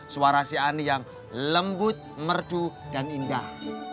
suara si ani yang lembut merdu dan indah